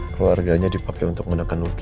keluarganya dipakai untuk menekan luka